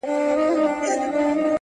ملا وویل تعویذ درته لیکمه -